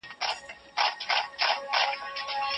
خلګ بايد خپله عقيده په فکري ډول عيار کړي.